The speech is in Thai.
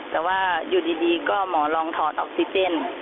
แต่ว่าอยู่ดีก็หมอลองถอดออกซิเจน